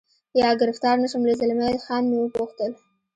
یا ګرفتار نه شم، له زلمی خان مې و پوښتل.